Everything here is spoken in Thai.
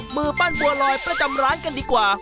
มือปั้นบัวลอยประจำร้านกันดีกว่า